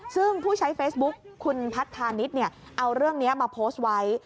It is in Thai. ซึ่งผู้ใช้เฟซบุ๊คคุณพัทธานิษฐ์เอาเรื่องนี้มาโพสต์ไว้